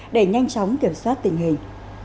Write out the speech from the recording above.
để nhanh chóng kiểm soát tình hình